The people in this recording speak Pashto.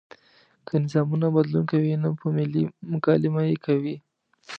که نظامونه بدلون کوي نو په ملي مکالمه یې کوي.